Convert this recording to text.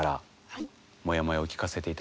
はい。